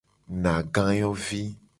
Nagayovi.